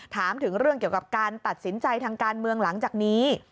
ถามถึงเรื่องเกี่ยวกับการตัดสินใจทางการเมืองหลังจากนี้